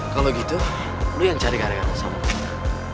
kalau gitu lu yang cari gara gara bersama kita